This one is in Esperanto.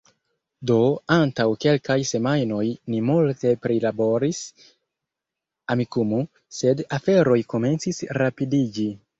Do, antaŭ kelkaj semajnoj ni multe prilaboris Amikumu, sed aferoj komencis rapidiĝi